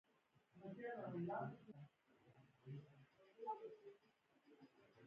• علم د ټولنیزې ودې اساسي برخه ده.